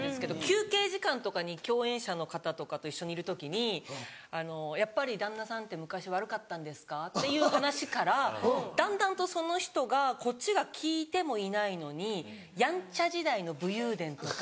休憩時間とかに共演者の方とかと一緒にいる時に「やっぱり旦那さんって昔悪かったんですか？」。っていう話からだんだんとその人がこっちが聞いてもいないのにヤンチャ時代の武勇伝とか。